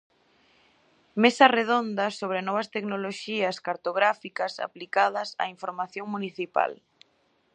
Mesa redonda sobre novas tecnoloxías cartográficas aplicadas á información municipal.